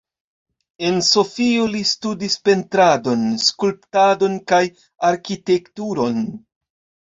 En Sofio li studis Pentradon, Skulptadon kaj Arkitekturon.